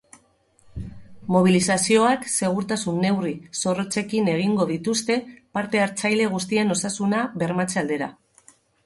Mobilizazioak segurtasun neurri zorrotzekin egingo dituzte, parte-hartzaile guztien osasuna bermatze aldera.